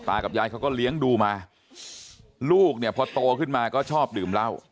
กับยายเขาก็เลี้ยงดูมาลูกเนี่ยพอโตขึ้นมาก็ชอบดื่มเหล้า